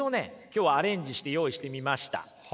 今日はアレンジして用意してみました。